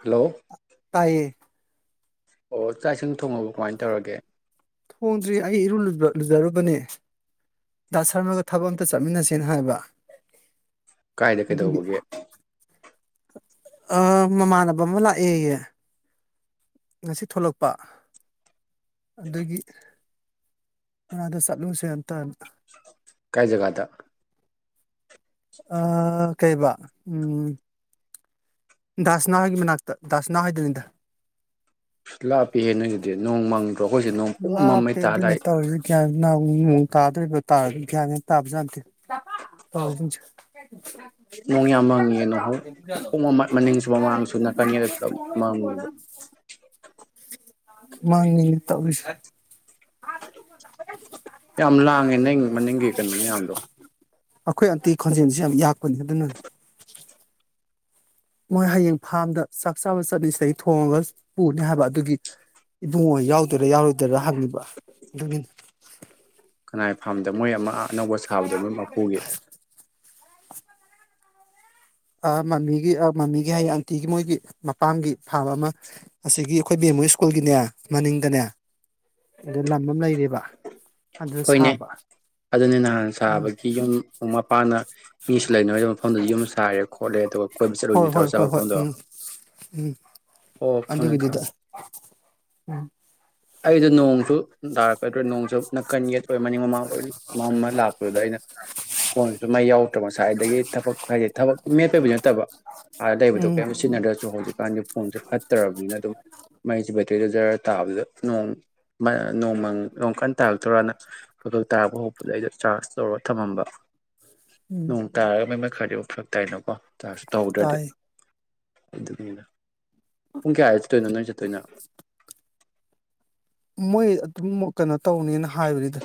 Hello ꯇꯥꯏꯌꯦ ꯑꯣ ꯆꯥꯛ ꯏꯁꯤꯡ ꯊꯣꯡꯉꯕ ꯀꯃꯥꯏꯅ ꯇꯧꯔꯒꯦ ꯊꯣꯡꯗ꯭ꯔꯤ ꯑꯩꯒꯤ ꯏꯔꯨ ꯂꯨꯕ ꯂꯨꯖꯔꯨꯕꯅꯦ ꯗ ꯁꯔꯃꯗ ꯊꯕꯛ ꯑꯝꯇ ꯆꯠꯃꯤꯟꯅꯁꯦꯅ ꯍꯥꯏꯕ ꯀꯥꯏꯗ ꯑꯗꯨꯒꯤ ꯀꯩꯗꯧꯕꯒꯤ ꯑ ꯃꯃꯥꯟꯅꯕ ꯑꯃ ꯂꯥꯛ ꯑꯦꯌꯦ ꯉꯁꯤ ꯊꯣꯛꯂꯛꯄ ꯑꯗꯨꯒꯤ ꯃꯅꯥꯛꯇ ꯆꯠꯂꯨꯁꯦ ꯑꯝꯇꯅ ꯀꯥꯏ ꯖꯒꯗ ꯑ ꯀꯩꯕ ꯎꯝ ꯗꯥꯁꯅꯥ ꯍꯣꯏꯒꯤ ꯃꯅꯥꯛꯇ ꯗꯥꯁꯅꯥ ꯍꯣꯏꯗꯅꯤꯗ ꯑꯁ ꯂꯥꯞꯄꯤꯍꯦ ꯅꯣꯏꯗꯨꯗꯤ ꯅꯣꯡ ꯃꯪ ꯂꯥꯞꯄꯦ ꯑꯗꯨꯅꯦ ꯇꯧꯔꯤꯁꯦ ꯒꯤꯌꯥꯟ ꯑꯃ ꯉꯥꯎꯏ ꯇꯥꯗꯣꯏꯕꯣ ꯇꯥꯔꯣꯏ ꯗꯧꯔꯤꯕꯣ ꯒ꯭ꯌꯥꯟ ꯃꯦꯟ ꯇꯥꯕꯖꯥꯠ ꯅꯠꯇꯦ ꯇꯧꯔꯤꯁꯦ ꯅꯣꯡ ꯌꯥꯝ ꯃꯪꯉꯌꯦ ꯅꯣꯡꯍꯧ ꯄꯨꯝꯅꯃꯛ ꯃꯅꯤꯡꯁꯨ ꯃꯃꯥꯡꯁꯨ ꯅꯥꯀꯟ ꯌꯦꯠ ꯃꯪꯉꯤꯕ ꯃꯥꯅꯤ ꯇꯧꯔꯤꯁꯦ ꯌꯥꯝ ꯂꯥꯡꯉꯦ ꯅꯣꯏ ꯃꯅꯤꯡꯒꯤ ꯀꯩꯅꯣ ꯃꯌꯥꯝꯗꯣ ꯑꯩꯈꯣꯏ ꯑꯟꯇꯤ ꯈꯣꯟꯖꯦꯜꯁꯤ ꯌꯥꯝ ꯌꯥꯛꯄꯅꯤ ꯑꯗꯨꯅꯅꯤ ꯃꯣꯏ ꯍꯌꯦꯡ ꯐꯥꯔꯝꯗ ꯆꯥꯛ ꯆꯥꯕ ꯆꯠꯅꯤ ꯁꯤꯗꯒꯤ ꯊꯣꯡꯉꯒ ꯄꯨꯅꯤ ꯍꯥꯏꯕ ꯑꯗꯨꯒꯤ ꯏꯕꯨꯡꯉꯣ ꯌꯥꯎꯗꯣꯏꯔꯥ ꯌꯥꯎꯔꯣꯏꯗꯣꯏꯔꯥ ꯍꯪꯏꯕ ꯑꯗꯨꯒꯤꯅꯤ ꯀꯅꯥꯏ ꯐꯥꯔꯝꯗ ꯃꯣꯏ ꯑꯃ ꯑꯅꯧꯕ ꯁꯥꯕꯗꯣ ꯃꯣꯏ ꯃꯄꯨꯒꯤ ꯑ ꯃꯃꯤꯒꯤ ꯑ ꯃꯃꯤꯒꯤ ꯍꯥꯏꯌꯦ ꯑꯟꯇꯤꯒꯤ ꯃꯣꯏꯒꯤ ꯃꯄꯥꯝꯒꯤ ꯐꯥꯔꯝꯕ ꯑꯃ ꯑꯁꯤꯒꯤ ꯑꯩꯈꯣꯏ ꯕꯦꯝꯃ ꯍꯣꯏ ꯁ꯭ꯀꯨꯜꯒꯤꯅꯦ ꯃꯅꯤꯡꯗꯅꯦ ꯑꯗꯨ ꯂꯝ ꯑꯃ ꯂꯩꯔꯤꯕ ꯍꯣꯏꯅꯦ ꯑꯗꯨꯅ ꯅꯍꯥꯟ ꯎꯝ ꯁꯥꯕꯒꯤ ꯌꯨꯝ ꯃꯄꯥꯅ ꯃꯤꯁꯨ ꯂꯩꯅ ꯔꯣꯏ ꯃꯐꯝꯗꯨꯗ ꯌꯨꯝ ꯁꯥꯥꯏꯔꯦ ꯈꯣꯠꯂꯦ ꯇꯧ ꯑꯩꯈꯣꯏ ꯍꯣꯏ ꯆꯠꯂꯨꯅꯤ ꯍꯣꯏ ꯇꯧꯔ ꯆꯥꯕ ꯍꯣꯏ ꯍꯣꯏ ꯃꯐꯝꯗꯣ ꯎꯝ ꯑꯣ ꯈꯪꯉꯦ ꯑꯗꯨꯒꯤꯗꯨꯗ ꯈꯪꯉꯦ ꯑꯩꯗꯣ ꯅꯣꯡꯁꯨ ꯅꯥꯔꯛꯀꯗꯧꯗ꯭ꯔꯦ ꯅꯣꯡꯁꯨ ꯃꯅꯤꯡ ꯃꯃꯥꯡ ꯂꯣꯏ ꯃꯝꯃ ꯂꯥꯛꯄꯗꯨꯗ ꯑꯩꯅ ꯐꯣꯟꯁꯨ ꯃꯩ ꯌꯥꯎ ꯉꯁꯥꯏꯗꯒꯤ ꯊꯕꯛ ꯍꯥꯏꯗꯤ ꯊꯕꯛ ꯃꯦꯠ ꯇꯕꯤ ꯅꯠꯇꯕ ꯑ ꯂꯩꯕꯗꯣ ꯎꯝ ꯀꯩꯝꯇ ꯁꯤꯖꯤꯟꯅꯗ꯭ꯔꯁꯨ ꯍꯧꯖꯤꯛꯀꯥꯟꯗꯤ ꯐꯣꯟꯁꯦ ꯐꯠꯇ꯭ꯔꯕꯅꯤꯅ ꯑꯗꯨꯝ ꯃꯩꯁ ꯁꯤꯗꯩꯗ ꯖꯔ ꯇꯥꯕꯗꯨꯗ ꯅꯣꯡ ꯃ ꯅꯣꯡ ꯃꯪ ꯅꯣꯡ ꯀꯟ ꯇꯥꯕꯗꯨꯗ ꯇꯣꯔꯥꯅ ꯅꯣꯡ ꯇꯥꯔꯛꯄ ꯗꯨꯗ ꯑꯩꯗ ꯆꯥꯔꯖ ꯇꯧꯔꯒ ꯊꯝꯃꯝꯕ ꯎꯝ ꯅꯣꯡ ꯇꯥꯔ ꯈꯔꯗꯤ ꯐꯔꯛ ꯇꯥꯏꯅꯀꯣ ꯆꯥꯔꯁꯨ ꯇꯧꯍꯧꯗ꯭ꯔꯗꯤ ꯇꯥꯏ ꯑꯗꯨꯒꯤꯅꯤꯗ ꯄꯨꯡ ꯀꯌꯥꯗ ꯆꯠꯇꯣꯏꯅꯣ ꯅꯣꯏ ꯆꯠꯇꯣꯏꯅ ꯃꯣꯏ ꯑꯗꯨꯝ ꯀꯩꯅꯣ ꯇꯧꯅꯦꯅ ꯍꯥꯏꯕꯅꯤꯗ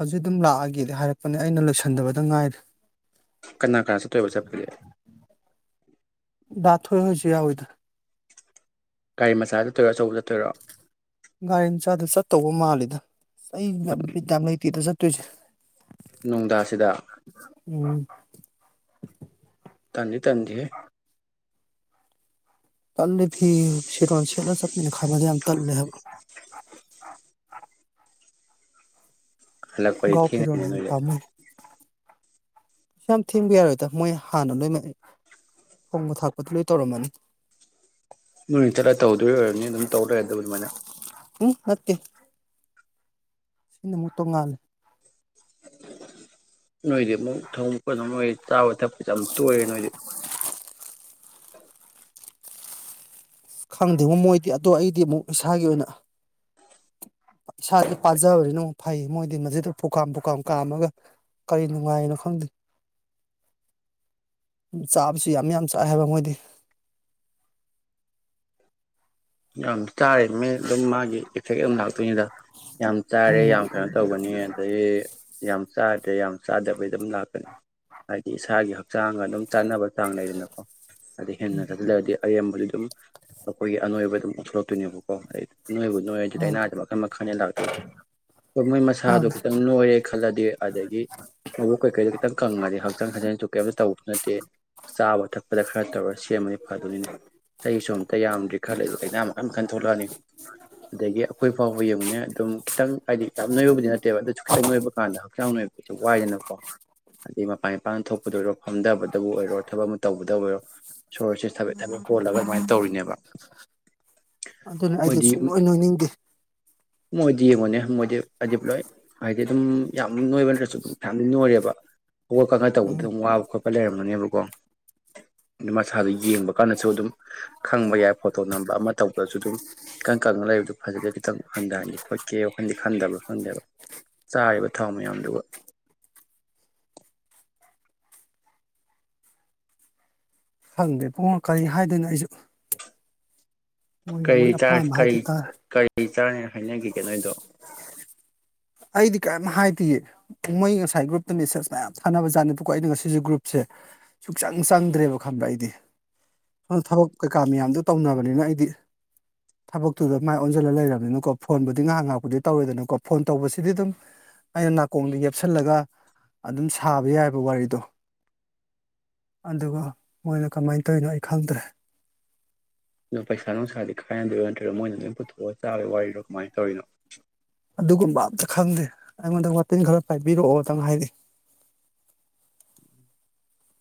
ꯍꯧꯖꯤꯛ ꯑꯗꯨꯝ ꯂꯥꯛꯑꯒꯦꯗꯤ ꯍꯥꯏꯔꯛꯄꯅꯦ ꯑꯩꯅ ꯂꯣꯏꯁꯟꯗꯕꯗ ꯉꯥꯏꯔꯦ ꯀꯅꯥ ꯀꯅꯥ ꯆꯠꯇꯣꯏꯕ ꯆꯠꯄꯗꯤ ꯗ ꯊꯣꯏ ꯍꯣꯏꯁꯨ ꯌꯥꯎ ꯏꯗ ꯒꯥꯔꯤ ꯃꯆꯥ ꯆꯠꯇꯣꯏꯔꯣ ꯑꯆꯧꯕ ꯆꯠꯇꯣꯏꯔꯣ ꯒꯥꯔꯤꯃꯟꯆꯥꯗ ꯆꯠꯇꯧꯕ ꯃꯥꯜꯂꯤꯗ ꯑꯩ ꯌꯥꯝ ꯕꯤꯠ ꯌꯥꯝ ꯂꯩꯇꯦꯗꯥ ꯆꯠ ꯇꯨꯏꯁꯦ ꯅꯨꯡꯗꯥꯁꯤꯗ ꯎꯝ ꯇꯟꯗꯤ ꯇꯟꯗꯦꯍꯦ ꯇꯝꯂꯦ ꯐꯤ ꯐꯤꯔꯣꯟ ꯁꯦꯂ ꯆꯠꯃꯤꯅꯦ ꯈꯟꯕꯗꯥ ꯌꯥꯝ ꯇꯜꯂꯦ ꯍꯥꯏꯕ ꯍꯜꯂꯛꯄꯗꯤ ꯒꯥꯎ ꯊꯦꯡꯉꯅꯤꯅꯦ ꯐꯤꯔꯣꯟꯅ ꯍꯦꯟꯅꯥ ꯅꯣꯏꯗ ꯄꯥꯝꯃꯨꯏ ꯁꯨ ꯌꯥꯝ ꯊꯦꯡꯕ ꯌꯥꯔꯣꯏꯗ ꯃꯣꯏ ꯍꯥꯟꯅ ꯂꯣꯏ ꯊꯣꯡꯕ ꯊꯥꯛꯄꯗꯤ ꯂꯣꯏ ꯇꯧꯔꯝꯃꯅꯤ ꯅꯣꯏꯅ ꯆꯠꯂꯥ ꯇꯧꯔꯨꯗꯣꯏ ꯑꯣꯏꯔꯝꯅꯤ ꯑꯗꯨꯝ ꯇꯧꯔꯥ ꯂꯩꯔꯗꯨꯕꯨ ꯑꯗꯨꯃꯥꯏꯅ ꯎꯝ ꯅꯠꯇꯦ ꯁꯤꯅ ꯑꯃꯨꯛ ꯇꯣꯡꯉꯥꯜꯂꯦ ꯅꯣꯏꯗꯤ ꯑꯃꯨꯛ ꯊꯧ ꯀꯅꯣꯝ ꯑꯣꯏ ꯆꯥꯕ ꯊꯛꯄꯁꯦ ꯌꯥꯝ ꯇꯣꯏꯔꯦ ꯅꯣꯏꯗꯤ [inaudible] ꯈꯪꯗꯦꯕꯣ ꯃꯣꯏꯗꯤ ꯑꯗꯣ ꯑꯩꯗꯤ ꯑꯃꯨꯛ ꯏꯁꯥꯒꯤ ꯑꯣꯏꯅ ꯏꯁꯥꯗ ꯄꯥꯖꯕꯅꯤꯅ ꯑꯃꯨꯛ ꯐꯩ ꯃꯣꯏꯗꯤ ꯃꯗꯨꯗ ꯐꯨꯀꯥꯝ ꯄꯨꯨꯀꯥꯝ ꯀꯥꯝꯃꯒ ꯀꯔꯤ ꯅꯨꯡꯉꯥꯏꯅꯣ ꯈꯪꯗꯦ ꯆꯥꯕꯁꯨ ꯌꯥꯝ ꯌꯥꯝ ꯆꯥꯏ ꯍꯥꯏꯕ ꯃꯣꯏꯗꯤ ꯌꯥꯝ ꯆꯥꯔꯤꯝꯅꯤ ꯑꯗꯨꯝ ꯃꯥꯒꯤ ꯁꯧꯌꯥꯝꯂꯥꯡ ꯗ ꯌꯥꯝ ꯆꯥꯔꯦ ꯎꯝ ꯌꯥꯝ ꯀꯩꯅꯣ ꯇꯧꯒꯕꯅꯤ ꯑꯗꯒꯤ ꯌꯥꯝ ꯆꯥ ꯁꯤꯗ ꯌꯥꯝ ꯆꯥꯗꯕꯩ ꯑꯗꯨꯝ ꯂꯥꯛꯀꯅꯤ ꯍꯥꯏꯗꯤ ꯏꯁꯥꯒꯤ ꯍꯛꯆꯥꯡꯒ ꯑꯗꯨꯝ ꯆꯥꯅꯕ ꯆꯥꯡ ꯂꯩꯗꯅꯀꯣ ꯑꯗ ꯍꯦꯟꯅ ꯎꯝ ꯊꯛꯖꯤꯟꯂꯗꯤ ꯑꯔꯦꯝꯕ ꯑꯝ ꯑꯈꯣꯏꯒꯤ ꯑꯅꯣꯢꯕ ꯑꯗꯨꯝ ꯑꯣꯠꯊꯣꯔꯛꯇꯣꯏꯅꯦꯕꯀꯣ ꯑꯩ ꯅꯣꯏꯕꯨ ꯅꯣꯏꯔꯗꯤ ꯃꯥꯅꯦ ꯂꯩꯅꯗꯤ ꯃꯈꯟ ꯃꯈꯜꯅꯦ ꯂꯥꯛꯇꯣꯏꯕꯁꯦ ꯃꯣꯏ ꯃꯁꯥꯗꯣ ꯃꯥꯅꯦ ꯈꯤꯇꯪ ꯅꯣꯏꯔꯦ ꯈꯜꯂꯗꯤ ꯑꯗꯒꯤ ꯃꯕꯨꯛ ꯀꯩꯀꯩꯗꯣ ꯈꯤꯇꯪ ꯀꯪꯉꯗꯤ ꯍꯛꯆꯥꯡ ꯁꯥꯆꯦꯜꯁꯨ ꯀꯩꯝꯇ ꯇꯧꯕꯁꯨ ꯅꯠꯇꯦ ꯆꯥꯕ ꯊꯛꯄꯗ ꯈꯔ ꯇꯧꯔ ꯁꯦꯝꯃꯗꯤ ꯐꯗꯣꯏꯅꯤ ꯆꯍꯤ ꯁꯨꯝ ꯇ ꯌꯥꯝꯗ꯭ꯔꯦ ꯈꯜꯂꯦ ꯂꯩꯅꯥ ꯃꯈꯟ ꯝꯈꯟ ꯊꯣꯛꯂꯛꯑꯅꯤ ꯑꯗꯒꯤ ꯑꯈꯣꯏ ꯐꯥꯎꯕ ꯌꯦꯡꯉꯨꯅꯦ ꯑꯗꯨꯝ ꯈꯤꯇꯪ ꯍꯥꯏꯗꯤ ꯌꯥꯝ ꯅꯣꯏꯕꯕꯨꯗꯤ ꯅꯠꯇꯦꯕ ꯑꯗꯨꯁꯨ ꯈꯤꯇꯪ ꯅꯣꯏꯕ ꯀꯥꯟꯗ ꯍꯛꯆꯥꯡ ꯅꯣꯏꯕꯁꯦ ꯋꯥꯏꯌꯦꯅꯀꯣ ꯑꯗꯩ ꯃꯄꯥꯟ ꯏꯄꯥꯅ ꯊꯣꯛꯄꯗꯑꯣꯏꯔꯣ ꯐꯝꯗꯕꯗꯕꯨ ꯑꯣꯏꯔꯣ ꯊꯕꯛ ꯑꯃ ꯇꯧꯕꯗ ꯑꯣꯏꯔꯣ ꯁꯣꯔꯁꯦ ꯊꯕꯦꯠ ꯊꯕꯦꯠ ꯍꯣꯜꯂꯒ ꯑꯗꯨꯃꯥꯏꯅ ꯇꯧꯔꯤꯅꯦꯕ ꯑꯗꯨꯅ ꯑꯩꯗꯤ ꯃꯣꯏꯗꯤ ꯁꯨꯡꯅꯣꯏ ꯅꯣꯏꯅꯤꯡꯗꯦ ꯃꯣꯏꯗꯤ ꯌꯦꯡꯉꯣꯅꯦ ꯃꯣꯏꯗꯤ ꯍꯥꯏꯗꯤ ꯂꯣꯏ ꯍꯥꯏꯗꯤ ꯑꯗꯨꯝ ꯌꯥꯝ ꯅꯣꯏꯕ ꯅꯠꯇ꯭ꯔꯁꯨ ꯑꯗꯨꯝ ꯐꯅꯌꯥꯝꯗꯤ ꯅꯣꯏꯔꯦꯕ ꯍꯧꯒꯠ ꯀꯥꯡꯒꯠ ꯇꯧꯕꯗ ꯎꯝ ꯑꯗꯨꯝ ꯋꯥꯕ ꯈꯣꯠꯄ ꯂꯩꯔꯝꯒꯅꯦꯕꯀꯣ ꯑꯗꯨ ꯃꯁꯥꯗꯣ ꯌꯦꯡꯕ ꯀꯥꯟꯗꯁꯨ ꯑꯗꯨꯝ ꯈꯪꯕ ꯌꯥꯏ ꯐꯣꯇꯣ ꯅꯝꯕ ꯑꯃ ꯇꯧꯕꯗꯁꯨ ꯑꯗꯨꯝ ꯏꯀꯪ ꯀꯪꯅ ꯂꯩꯕꯗꯣ ꯐꯖꯗꯦ ꯈꯤꯇꯪ ꯍꯟꯊꯍꯟꯒꯦ ꯈꯣꯠꯀꯦ ꯋꯥꯈꯜꯟꯗꯣ ꯈꯟꯗꯕꯔꯥ ꯈꯪꯗꯦꯕ ꯆꯥꯔꯤꯕ ꯊꯥꯎ ꯃꯌꯥꯝꯗꯨꯒ ꯐꯪꯗꯦ ꯄꯨꯡꯉꯣ ꯀꯔꯤ ꯍꯥꯏꯗꯣꯏꯅꯣ ꯑꯩꯁꯨ ꯃꯣꯏꯒ ꯀꯩ ꯃꯣꯏ ꯆꯥ ꯑꯄꯥꯝꯕ ꯀꯩ ꯍꯥꯏꯗ ꯇꯥꯔꯦ ꯀꯩ ꯆꯅꯤ ꯍꯥꯏꯅꯈꯤꯒꯦ ꯅꯣꯏꯗꯣ ꯑꯩꯗꯤ ꯀꯔꯤꯝ ꯍꯥꯏꯗꯤꯌꯦ ꯃꯣꯏ ꯉꯁꯥꯏ ꯒ꯭ꯔꯨꯞꯇ ꯃꯦꯁꯦꯁ ꯃꯌꯥꯝ ꯊꯥꯟꯅꯕ ꯖꯥꯠꯅꯤꯕꯀꯣ ꯑꯩꯗꯤ ꯉꯁꯤꯁꯦ ꯒ꯭ꯔꯨꯞꯁꯦ ꯁꯨꯛꯆꯪ ꯆꯪꯗ꯭ꯔꯦꯕ ꯈꯟꯕ꯭ꯔꯥ ꯑꯩꯗꯤ ꯁꯣꯝꯗ ꯊꯕꯛ ꯀꯩꯀꯥ ꯃꯌꯥꯝꯗꯣ ꯇꯧꯅꯕꯅꯤꯅ ꯑꯩꯗꯤ ꯊꯕꯛꯇꯨꯗ ꯃꯥꯏ ꯑꯣꯟꯁꯤꯜꯂ ꯂꯩꯔꯕꯅꯤꯅꯀꯣ ꯐꯣꯟꯕꯨꯗꯤ ꯉꯥꯏꯍꯥꯛ ꯉꯥꯏꯍꯥꯛꯄꯨꯗꯤ ꯇꯧꯔꯦꯗꯅꯀꯣ ꯐꯣꯟ ꯇꯧꯕꯁꯤꯗꯤ ꯑꯗꯨꯝ ꯑꯩꯅ ꯅꯥꯀꯣꯡꯗ ꯌꯦꯞꯁꯜꯂꯒ ꯑꯗꯨꯝ ꯁꯥꯕ ꯌꯥꯏꯑꯕ ꯋꯥꯔꯤꯗꯣ ꯑꯗꯨꯒ ꯃꯣꯏꯅ ꯀꯃꯥꯏꯅ ꯇꯧꯔꯤꯅꯣ ꯑꯩ ꯈꯪꯗ꯭ꯔꯦ ꯑꯗꯣ ꯄꯩꯁꯥ ꯅꯨꯡꯁꯥꯗꯤ ꯈꯥꯏꯅꯗꯧꯔꯣ ꯅꯠꯇ꯭ꯔꯒ ꯃꯣꯏꯅ ꯂꯣꯏꯅ ꯄꯨꯊꯣꯛ ꯑꯒ ꯆꯥꯕꯒꯤ ꯋꯥꯔꯤꯔꯣ ꯀꯃꯥꯏ ꯇꯧꯔꯤꯅꯣ ꯑꯗꯨꯒꯨꯝꯕ ꯑꯝꯇ ꯈꯪꯗꯦ ꯑꯩꯉꯣꯟꯗ ꯋꯥꯇꯤꯟ ꯈꯔ ꯄꯥꯏꯕꯤꯔꯛꯑꯣ ꯗꯪ ꯍꯥꯏꯔꯛꯢ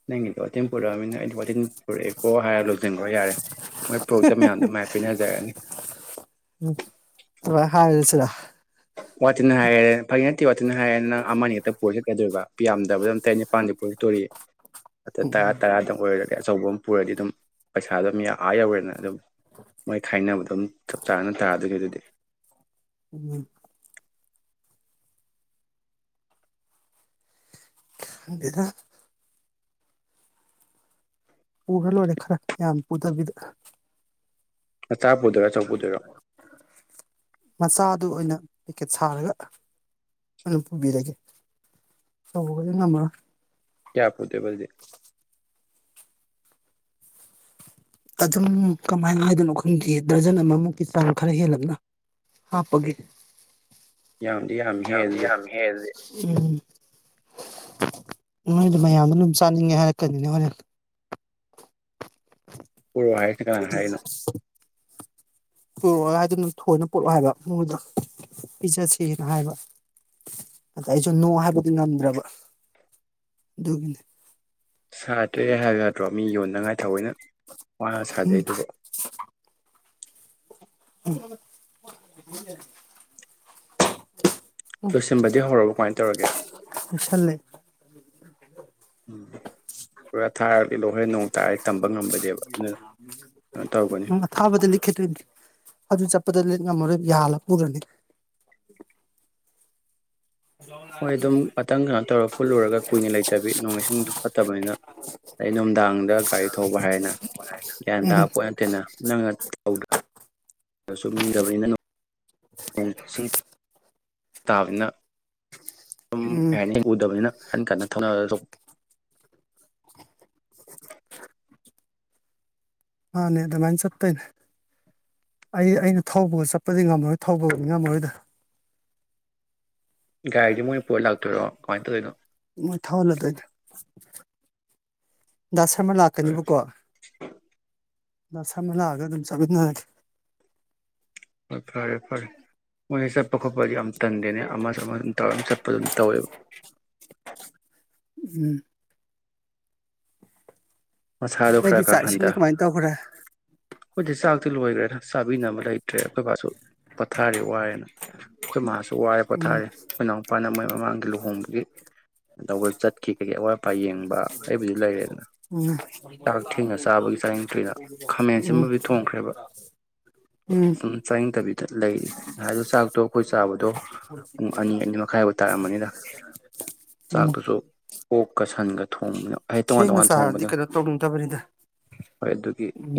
ꯅꯪꯒꯤꯗꯣ ꯋꯥꯇꯤꯟ ꯄꯨꯔꯛꯑꯝꯅꯤꯅ ꯑꯩꯗꯤ ꯋꯥꯇꯤꯟ ꯄꯨꯔꯛ ꯑꯦꯀꯣ ꯍꯥꯏꯔ ꯂꯣꯏꯁꯤꯟꯈ꯭ꯔꯣ ꯌꯥꯔꯦ ꯃꯣꯏ ꯄ꯭ꯨꯔꯇ ꯃꯌꯥꯝꯗ ꯃꯥꯏ ꯄꯤꯅꯖꯔꯅꯤ ꯑꯗꯨꯃꯥꯏꯅ [unintelligible] ꯋꯥꯇꯤꯟ ꯍꯥꯏꯔꯦ ꯐꯒꯤ ꯅꯠꯇꯦ ꯋꯥꯇꯤꯟ ꯍꯥꯏꯔꯦꯅ ꯑꯃ ꯅꯤ ꯍꯦꯛꯇ ꯄꯨꯔ ꯑꯣꯏꯗꯅ ꯌꯥꯝꯗꯕꯤꯗ ꯅꯪ ꯇꯔꯦꯠ ꯅꯤꯄꯥꯟꯗꯤ ꯄꯨꯔꯛ ꯀꯗꯧꯔꯤ ꯇꯔꯥ ꯎꯝ ꯇꯔꯥ ꯇꯪ ꯑꯣꯏ ꯑꯆꯧꯕ ꯑꯃ ꯄꯨꯔꯗꯤ ꯑꯗꯨꯝ ꯄꯩꯁꯥꯗꯣ ꯑꯗꯨꯝ ꯑꯥ ꯌꯧꯔꯦꯅ ꯑꯗꯨꯝ ꯃꯣꯏ ꯈꯥꯏꯅꯕꯗꯣ ꯑꯗꯨꯝ ꯆꯞ ꯆꯥꯅ ꯇꯥꯗꯣꯏꯅꯤ ꯑꯗꯨꯗꯤ ꯎꯝ ꯈꯪꯗꯦꯗ ꯄꯨꯔ ꯂꯣꯏꯔꯦ ꯈꯔ ꯌꯥꯝ ꯄꯨꯗꯕꯤꯗ ꯆꯥ ꯄꯨꯗꯣꯏꯔꯣ ꯑꯆꯧꯕ ꯄꯨꯗꯣꯏꯔꯣ ꯑꯗꯨ ꯑꯣꯏꯅ ꯄꯦꯛꯀꯦꯠ ꯁꯥꯔꯒ ꯄꯨꯕꯤꯔꯒꯦ ꯇꯧꯕꯒꯗꯤ ꯉꯝꯃꯔꯣꯏ ꯀꯌꯥ [unintelligible] ꯑꯗꯨꯝ ꯀꯃꯥꯏꯅ ꯍꯥꯏꯗꯣꯏꯅꯣ ꯈꯪꯗꯦꯌꯦ ꯗꯔꯖꯟ ꯑꯃꯃꯨꯛꯀꯤ ꯆꯥꯡ ꯈꯔ ꯍꯦꯜꯂꯞꯅ ꯍꯥꯞꯄꯒꯦ ꯌꯥꯝꯗꯤ ꯌꯥꯝꯃꯦ ꯍꯦ ꯌꯥꯝꯗꯤ ꯑꯗꯨꯗꯤ ꯌꯥꯝꯃꯤꯍꯦ ꯑꯗꯨꯗꯤ ꯎꯝ ꯅꯣꯏꯗꯤ ꯃꯌꯥꯝꯗ ꯑꯗꯨꯝ ꯆꯥꯅꯤꯡꯉꯦ ꯍꯥꯏꯔꯛꯀꯅꯤꯅꯦ ꯍꯣꯔꯦꯟ ꯄꯨꯔꯛꯑꯣ ꯍꯥꯏ ꯀꯅꯥꯅ ꯍꯥꯏꯔꯛ ꯏꯅꯣ ꯄꯨꯔꯛ ꯑꯣ ꯗꯨꯅ ꯊꯣꯏꯅ ꯄꯨꯔꯛꯑꯣ ꯍꯥꯏꯕ ꯃꯣꯏꯗ ꯄꯤꯖꯁꯦꯅ ꯍꯥꯏꯕ ꯑꯗ ꯑꯩꯁꯨ ꯅꯣ ꯍꯥꯏꯕꯗꯨ ꯉꯝꯗ꯭ꯔꯕ ꯑꯗꯨꯒꯤꯅꯤ ꯁꯥꯇ꯭ꯔꯦ ꯍꯥꯏꯌꯨ ꯌꯗ꯭ꯔꯣ ꯃꯤ ꯌꯣꯟꯅꯉꯥꯏ ꯊꯑꯣꯏꯩꯅ ꯋꯥꯅ ꯁꯥꯖꯩꯗꯨꯕꯨ ꯎꯝ ꯂꯣꯏꯁꯤꯟꯕꯗꯤ ꯍꯧꯔꯕ ꯀꯃꯥꯏꯅ ꯇꯧꯔꯒꯦ ꯂꯣꯏꯁꯜꯂꯦ ꯄꯥꯔꯊꯥ ꯍꯣꯔꯦꯜ ꯅꯣꯡ ꯇꯔ ꯇꯝꯕꯥ ꯉꯝꯕ ꯅꯥꯠꯗꯦꯕ ꯎꯝ ꯑꯊꯥꯕ ꯂꯤꯠ ꯈꯤꯗꯧꯅꯦ ꯑꯗꯨ ꯆꯠꯄ ꯂꯤꯠ ꯉꯝꯃꯔꯣꯏ ꯌꯥꯜꯂ ꯄꯨꯗ꯭ꯔꯗꯤ ꯍꯣꯏ ꯑꯗꯨꯝ ꯉꯥꯍꯥꯛꯇꯪ ꯀꯩꯅꯣ ꯇꯧꯔꯒ ꯄꯨꯜꯂꯨꯔꯒ ꯀꯨꯏꯅ ꯂꯩꯇꯕꯤ ꯅꯣꯡ ꯏꯁꯤꯡꯁꯨ ꯐꯠꯇꯕꯅꯤꯅ ꯑꯗꯩ ꯅꯨꯡꯗꯥꯡꯗ ꯒꯥꯔꯤ ꯊꯧꯕ ꯍꯥꯏꯔꯦꯅ ꯒ꯭ꯌꯥꯟ ꯎꯝ ꯇꯥꯕ ꯄꯣꯠ ꯅꯠꯇꯦꯅ ꯅꯪꯅ ꯁꯨꯝ ꯏꯟꯗꯕꯅꯤꯅ ꯅꯣꯡ ꯁꯨꯝ ꯇꯥꯕꯅ ꯑꯝ ꯎꯝ ꯀꯩ ꯍꯥꯏꯅꯤ ꯎꯗꯕꯅꯤꯅ ꯀꯟꯅ ꯀꯟꯅ ꯊꯧꯅ ꯑꯁꯨꯝ ꯃꯥꯅꯦ ꯑꯗꯨꯃꯥꯏꯅ ꯆꯠꯇꯣꯏꯅꯦ ꯑꯩ ꯑꯩꯅ ꯊꯧꯕꯒ ꯆꯠꯄꯗꯤ ꯉꯝꯃꯔꯣꯏ ꯊꯧꯕꯒꯗꯤ ꯉꯝꯃꯔꯣꯏꯗ ꯒꯥꯔꯤꯗꯤ ꯃꯣꯏꯅ ꯄꯨꯔ ꯂꯥꯛꯇꯣꯏꯔꯣ ꯀꯃꯥꯏꯅ ꯇꯧꯔꯤꯅꯣ ꯃꯣꯏ ꯊꯧꯍꯜꯂꯛꯇꯣꯏꯅꯤ ꯗꯥ ꯁꯔꯃ ꯂꯥꯛꯀꯅꯤꯕꯀꯣ ꯅꯁ ꯑꯃ ꯂꯥꯛꯑꯒ ꯑꯗꯨꯝ ꯆꯒꯠꯅꯔꯒꯦ ꯍꯣꯏ ꯐꯔꯦ ꯐꯔꯦ ꯃꯣꯏ ꯆꯠꯄ ꯈꯣꯠꯄꯗꯤ ꯌꯥꯝ ꯇꯟꯗꯦꯅꯦ ꯑꯃꯁꯨ ꯑꯃꯁꯨ ꯑꯗꯨꯝ ꯇꯧꯔ ꯆꯠꯄ ꯑꯗꯨꯝ ꯇꯧꯋꯦꯕ ꯎꯨꯝ ꯃꯁꯥꯗꯣ ꯈꯔ ꯅꯣꯏꯗꯤ ꯈꯔ ꯆꯥꯛ ꯍꯟꯊ ꯏꯁꯤꯡꯗꯤ ꯀꯃꯥꯏꯅ ꯇꯧꯈ꯭ꯔꯦ ꯑꯩꯈꯣꯏꯗꯤ ꯆꯥꯛꯇꯤ ꯂꯣꯏꯈ꯭ꯔꯦꯅ ꯆꯥꯕꯤꯅꯕ ꯂꯩꯇ꯭ꯔꯦ ꯑꯩꯈꯣꯏꯕꯥꯁꯨ ꯄꯣꯊꯥꯔꯤ ꯋꯥꯔꯦꯅ ꯑꯩꯈꯣꯏ ꯃꯥꯁꯨ ꯋꯥꯔꯦ ꯎꯝ ꯄꯣꯊꯥꯔꯦ ꯑꯩꯈꯣꯏ ꯏꯅꯥꯎꯄꯥꯅ ꯃꯣꯏ ꯃꯃꯥꯡꯗ ꯂꯨꯍꯣꯡꯕꯒꯤ ꯇꯧꯕ ꯆꯠꯈꯤ ꯀꯩ ꯀꯩ ꯑꯋꯥꯠ ꯑꯄꯥ ꯌꯦꯡꯕ ꯑꯩꯕꯨꯗꯤ ꯂꯩꯔꯦꯗꯅ ꯎꯝ ꯆꯥꯛ ꯊꯦꯡꯅ ꯆꯥꯕꯒꯤ ꯆꯥꯅꯤꯡꯗ꯭ꯔꯤꯗ ꯎꯝ ꯈꯥꯃꯦꯟꯑꯁꯤꯟꯕꯗꯤ ꯊꯣꯡꯈ꯭ꯔꯦꯕ ꯎꯝ ꯁꯨꯝ ꯆꯥꯅꯤꯡꯗꯕꯤꯗ ꯂꯩꯔꯤ ꯉꯥꯁꯥꯏꯗꯣ ꯆꯥꯛꯇꯣ ꯑꯩꯈꯣꯏꯅ ꯆꯥꯕꯗꯣ ꯄꯨꯡ ꯑꯅꯤ ꯑꯅꯤ ꯃꯈꯥꯏꯕꯨ ꯇꯥꯔꯝꯃꯅꯤꯅ ꯎꯝ ꯆꯥꯛꯇꯨꯁꯨ ꯑꯣꯛꯀ ꯁꯟꯒ ꯊꯣꯡꯕꯅ ꯑꯩ ꯇꯣꯉꯥꯟ ꯊꯦꯡꯅ ꯇꯣꯉꯥꯟ ꯆꯥꯔꯗꯤ ꯊꯣꯡꯕꯅ ꯀꯩꯅꯣ ꯇꯧꯅꯤꯡꯗꯕꯅꯤꯗ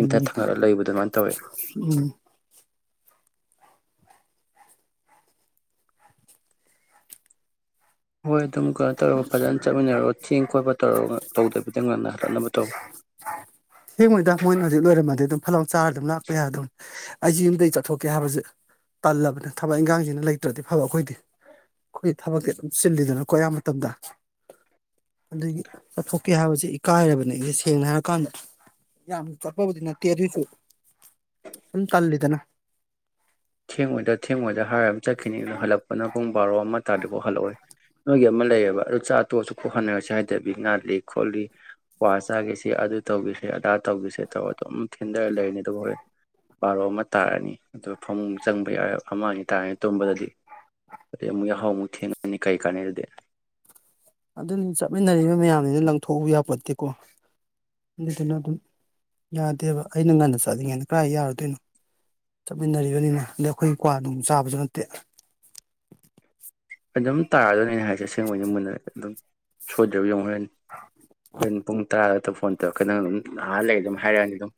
ꯏꯟꯊ ꯊꯪꯒꯠꯂ ꯂꯩꯕꯗꯣ ꯑꯗꯨꯃꯥꯏꯅ ꯇꯧꯋꯦ ꯎꯝ ꯍꯣꯏ ꯑꯗꯨꯝ ꯈꯔ ꯇꯧꯔꯒ ꯐꯖꯅ ꯆꯠꯃꯤꯟꯅꯔꯣ ꯊꯦꯡ ꯈꯣꯠꯄ ꯇꯧꯔꯒ ꯇꯧꯗꯕꯤꯗ ꯉꯟꯅ ꯍꯜꯂꯛꯅꯕ ꯇꯧ ꯆꯥꯔꯒ ꯑꯗꯨꯝ ꯂꯥꯛꯄ ꯌꯥꯗꯧ ꯑꯩꯁꯦ ꯌꯨꯝꯗꯒꯤ ꯆꯠꯊꯣꯛꯀꯦ ꯍꯥꯏꯕꯁꯦ ꯇꯜꯂꯕꯅꯦ ꯊꯕꯛ ꯏꯟꯈꯥꯡꯁꯤꯅ ꯂꯩꯇ꯭ꯔꯗꯤ ꯐꯕ ꯑꯩꯈꯣꯏꯗꯤ ꯑꯩꯈꯣꯏꯗꯤ ꯊꯕꯛꯇꯤ ꯑꯗꯨꯝ ꯆꯤꯜꯂꯤꯗꯅꯀꯣ ꯑꯌꯥꯝ ꯃꯇꯝꯗ ꯑꯗꯨꯗꯒꯤ ꯆꯠꯊꯣꯛꯀꯦ ꯍꯥꯏꯕꯁꯤ ꯏꯀꯥꯏꯔꯕꯅꯦ ꯑꯩꯁꯦ ꯁꯦꯡꯅ ꯍꯥꯏꯔꯀꯥꯟꯗ ꯌꯥꯝ ꯆꯠꯄꯕꯨꯗꯤ ꯅꯠꯇꯦ ꯑꯗꯣꯏꯁꯨ ꯁꯨꯝ ꯇꯜꯂꯤꯗꯅ ꯊꯦꯡꯉꯣꯏꯗ ꯊꯦꯡꯉꯣꯏꯗ ꯍꯥꯏꯔ ꯑꯃ ꯆꯠꯈꯤꯅꯤ ꯑꯗꯣ ꯍꯜꯂꯛꯄꯅ ꯄꯨꯡ ꯕꯥꯔꯣ ꯑꯃꯥ ꯇꯥꯗ꯭ꯔꯤꯕꯣꯛ ꯍꯜꯂꯛꯑꯣꯏ ꯅꯣꯏꯒꯤ ꯑꯃ ꯂꯩꯌꯦꯕ ꯑꯗꯨ ꯆꯥ ꯇꯣꯛꯑꯁꯨ ꯀꯣꯛꯍꯟꯅꯔꯁꯦ ꯍꯥꯏꯗꯕꯤ ꯉꯥꯜꯂꯤ ꯈꯣꯠꯂꯤ ꯀ꯭ꯋꯥ ꯆꯥꯈꯤꯁꯤ ꯑꯗꯨ ꯇꯧꯈꯤꯁꯦ ꯑꯗꯥ ꯇꯧꯈꯤꯁꯦ ꯇꯧꯔ ꯑꯗꯨꯝ ꯊꯤꯟꯊꯔ ꯂꯩꯔꯅꯤ ꯑꯗꯨꯒ ꯍꯣꯔꯦꯟ ꯕꯥꯔꯣ ꯑꯃ ꯇꯥꯔꯅꯤ ꯑꯗꯨꯒ ꯐꯃꯨꯡ ꯆꯪꯕ ꯌꯥꯏꯔꯦ ꯑꯃ ꯑꯅꯤ ꯇꯥꯔꯅꯤ ꯇꯨꯝꯕꯗꯗꯤ ꯑꯗꯩ ꯑꯃꯨꯛ ꯌꯥꯍꯧꯎ ꯑꯃꯨꯛ ꯊꯦꯡꯉꯅꯤ ꯀꯔꯤ ꯀꯥꯟꯅꯩ ꯑꯗꯨꯗꯤ ꯑꯗꯨꯅꯤ ꯆꯠꯃꯤꯟꯅꯔꯤꯕ ꯃꯌꯥꯝꯅꯤꯅ ꯂꯪꯊꯣꯛꯎꯕ ꯌꯥꯄꯣꯠꯇꯦꯀꯣ ꯑꯗꯨꯗꯨꯅ ꯑꯗꯨꯝ ꯌꯥꯗꯦꯕ ꯑꯩꯅ ꯉꯟꯅ ꯆꯠꯅꯤꯡꯉꯩꯅ ꯀꯗꯥꯏ ꯌꯥꯔꯨꯗꯣꯏꯅꯣ ꯆꯠꯃꯤꯟꯅꯔꯤꯕꯅꯤꯅ ꯑꯗꯩ ꯑꯩꯈꯣꯏꯗꯤ ꯀ꯭ꯋꯥ ꯅꯨꯡ ꯆꯥꯕꯁꯨ ꯅꯠꯇꯦ ꯑꯗꯨꯝ ꯇꯥꯔꯗꯣꯏꯅꯤ ꯑꯩꯅ ꯍꯥꯏꯁꯦ ꯑꯁꯦꯡꯕꯩꯅꯦ ꯃꯨꯟꯅ ꯑꯗꯨꯝ ꯁꯣꯏꯗ꯭ꯔꯕ ꯌꯦꯉꯨ ꯍꯣꯔꯦꯟ ꯍꯣꯔꯦꯟ ꯄꯨꯡ ꯇꯔꯥꯒꯇ ꯐꯣꯟ ꯇꯧꯔꯀꯅꯤ ꯑꯗꯨꯝ ꯅꯍꯥ ꯂꯩ ꯑꯗꯨꯝ ꯍꯥꯏꯔꯛꯑꯅꯤ ꯑꯗꯨꯝ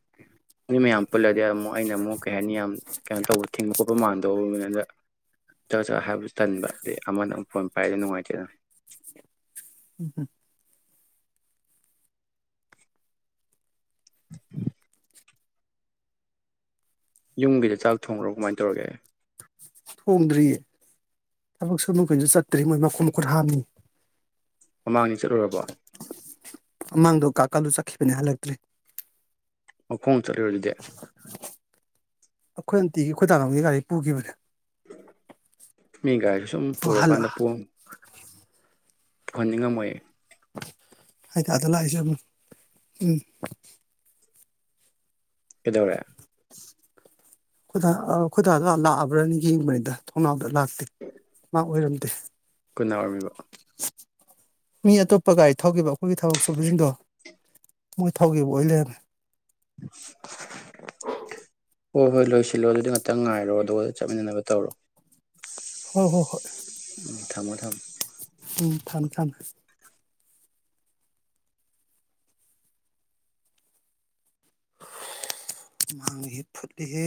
ꯃꯤ ꯃꯌꯥꯝ ꯄꯨꯜꯂꯗꯤ ꯑꯃꯨꯛ ꯑꯩꯅ ꯑꯃꯨꯛ ꯀꯩ ꯍꯥꯏꯅꯤ ꯌꯥꯝ ꯀꯩꯅꯣ ꯇꯧꯕ ꯊꯤꯡꯕ ꯈꯣꯠꯄ ꯃꯥꯟꯗꯧꯕꯅꯤꯗ ꯆꯆꯠ ꯍꯥꯏꯕꯁꯨ ꯇꯟꯕ ꯑꯗꯩ ꯑꯃꯅ ꯑꯃꯨꯛ ꯐꯣꯟ ꯄꯥꯏꯔꯁꯨ ꯅꯨꯡꯉꯥꯏꯇꯦꯗ꯫ ꯍꯨꯝ ꯍꯨꯝ [inaudible] ꯌꯨꯝꯒꯤꯗꯤ ꯆꯥꯛ ꯊꯣꯡꯈ꯭ꯔꯕꯣ ꯀꯃꯥꯏꯅ ꯇꯧꯔꯒꯦ ꯊꯣꯡꯗ꯭ꯔꯤꯌꯦ ꯊꯕꯛ ꯁꯨ ꯃꯈꯩꯁꯨ ꯆꯠꯇ꯭ꯔꯤ ꯃꯣꯏ ꯃꯈꯣꯡ ꯃꯈꯨꯠ ꯍꯥꯥꯡꯃꯤ ꯃꯃꯥꯡꯅꯤ ꯆꯠꯂꯨꯔꯕꯣ ꯃꯥꯡꯗꯣ ꯀꯥꯀꯥꯂꯨ ꯆꯠꯈꯤꯕꯅꯦ ꯍꯜꯂꯛꯇ꯭ꯔꯔꯤ ꯃꯐꯝ ꯆꯠꯂꯨꯂꯣ ꯑꯗꯨꯗꯤ ꯑꯩꯈꯣꯏ ꯑꯟꯇꯤꯒꯤ ꯑꯩꯈꯣꯏ ꯇꯥꯅꯕꯒꯤ ꯒꯥꯔꯤ ꯄꯨꯈꯤꯕꯅꯦ ꯃꯤ ꯒꯥꯔꯤꯗꯨ ꯁꯨꯝ ꯑꯣ ꯍꯜꯂꯛ ꯄꯨꯔꯀꯥꯟꯗ ꯄꯨꯡ ꯄꯨꯍꯟꯅꯤꯡꯉꯝꯃꯣꯏꯌꯦ ꯑꯗ ꯂꯥꯛꯏꯁꯨ ꯎꯝ ꯀꯩꯗꯧꯔꯦ ꯑ ꯑꯩꯈꯣꯏ ꯗꯥ ꯂꯥꯛꯑꯕ꯭ꯔꯥꯅ ꯌꯦꯡꯕꯅꯤꯗ ꯊꯣꯡꯅꯥꯎꯗ ꯂꯥꯛ ꯃꯥ ꯑꯣꯏꯔꯝ [unintelligible] ꯀꯨꯟꯅꯥ ꯑꯣꯏꯔꯝꯃꯤꯕ ꯃꯤ ꯑꯇꯣꯞꯄ ꯒꯥꯔꯤ ꯊꯧꯈꯤꯕ ꯑꯩꯈꯣꯏꯒꯤ ꯊꯕꯛ ꯁꯨꯕꯁꯤꯡꯗꯣ ꯃꯣꯏ ꯊꯧꯈꯤꯕ ꯑꯣꯏ ꯂꯩꯔꯝꯃꯦ ꯍꯣꯏ ꯍꯣꯏ ꯂꯣꯏꯁꯤꯜꯂꯣ ꯑꯗꯨꯗꯤ ꯉꯥꯛꯇꯪ ꯉꯥꯏꯔꯣ ꯑꯗꯨꯒ ꯆꯠꯃꯤꯟꯅꯅꯕ ꯇꯧꯔꯣ ꯍꯣꯏ ꯍꯣ ꯍꯣꯏ ꯊꯃꯣ ꯊꯝꯃꯣ ꯊꯝ ꯊꯝ ꯃꯥꯡꯂꯤ ꯍꯦ ꯐꯨꯠꯂꯤ ꯍꯦ